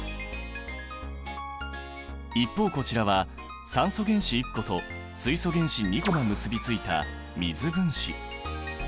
一方こちらは酸素原子１個と水素原子２個が結びついた水分子。